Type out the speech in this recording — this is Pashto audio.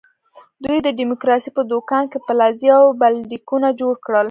دوی د ډیموکراسۍ په دوکان کې پلازې او بلډینګونه جوړ کړل.